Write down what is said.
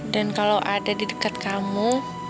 dan kalo ada di deket kamu